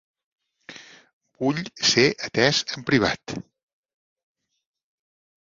Vull ser atés en privat.